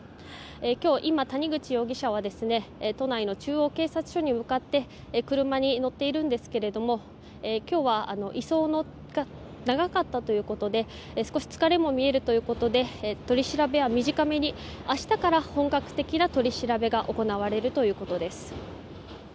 今、谷口容疑者は都内の中央警察署に向かって車に乗っているんですけども今日は移送が長かったということで少し疲れも見えるということで取り調べは短めに明日から本格的な取り調べが行われるということです。